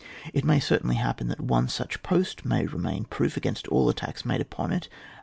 It may certainly happen that one such post may remain proof against all attacks made upon it, ana.